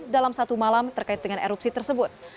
dalam satu malam terkait dengan erupsi tersebut